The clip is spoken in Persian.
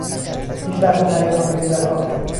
پیشرفتهترین کامپیوترها